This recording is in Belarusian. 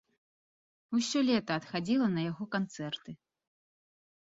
Усё лета адхадзіла на яго канцэрты.